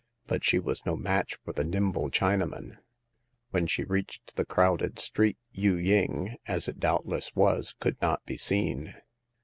But she was no match for the nimble Chinaman. When she reached the crowded street, Yu ying— as it doubtless was — could not be seen.